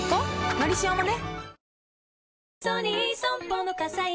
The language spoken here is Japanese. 「のりしお」もね